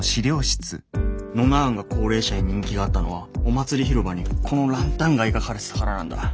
ノナ案が高齢者に人気があったのはお祭り広場にこのランタンが描かれてたからなんだ。